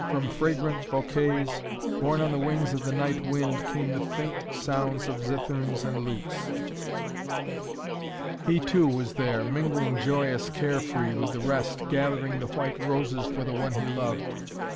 From fragrant bosquets, borne on the wings of the night wind came the faint sounds of zitherns and lutes. He, too, was there, mingling joyous, carefree, with the rest, gathering the white roses for the one he loved.